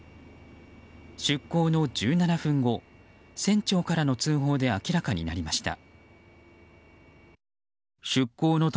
出港の１７分後、船長からの通報で明らかになりました。